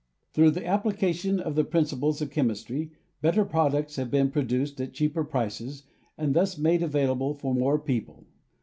Through the application of the principles of chemistry, better products have been produced at cheaper prices and thus made available for more people.